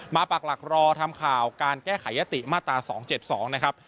ปากหลักรอทำข่าวการแก้ไขยติมาตรา๒๗๒นะครับ